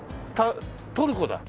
トルコだ。